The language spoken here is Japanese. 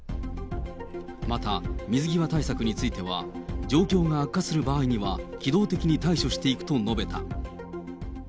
また、水際対策については、状況が悪化する場合には、機動的に対処していくと述べた。